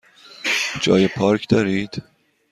جای پارک دارید؟